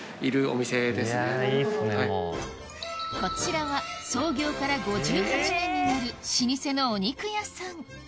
こちらは創業から５８年になる老舗のお肉屋さん